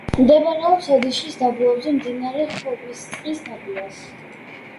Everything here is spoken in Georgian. მდებარეობს ოდიშის დაბლობზე, მდინარე ხობისწყლის ნაპირას.